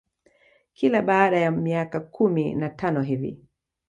Kila baada ya miaka kumi na tano hivi